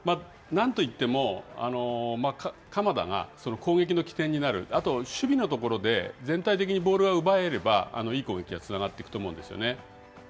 なんといっても、鎌田が攻撃の起点となる、あと守備のところで、全体的にボールが奪えればいい攻撃につながっていくと思うん